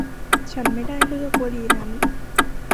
ฉันไม่ได้เลือกวลีนั้น